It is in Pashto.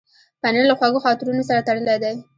پنېر له خوږو خاطرونو سره تړلی دی.